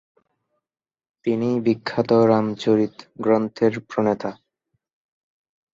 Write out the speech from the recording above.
তিনিই বিখ্যাত রামচরিত গ্রন্থের প্রণেতা।